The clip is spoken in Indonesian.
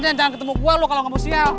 ini tuh kebosial